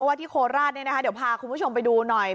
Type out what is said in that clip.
ว่าที่โคราชเนี่ยนะคะเดี๋ยวพาคุณผู้ชมไปดูหน่อย